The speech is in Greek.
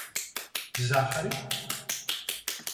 Ζάχαρη;